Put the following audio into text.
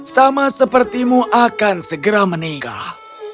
sama sepertimu akan segera menikah